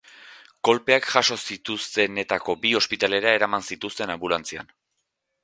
Kolpeak jaso zituztenetako bi ospitalera eraman zituzten anbulantzian.